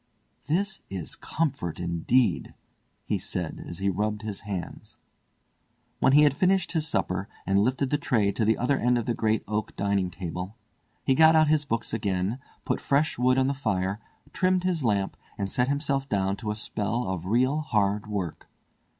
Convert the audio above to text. "This is comfort, indeed," he said, as he rubbed his hands. When he had finished his supper, and lifted the tray to the other end of the great oak dining table, he got out his books again, put fresh wood on the fire, trimmed his lamp, and set himself down to a spell of real hard work.